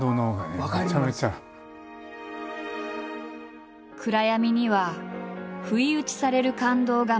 暗闇には不意打ちされる感動が満載。